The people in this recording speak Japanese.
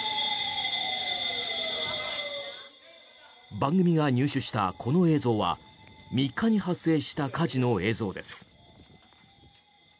番組が入手したこの映像は３日に発生した火事の映像です。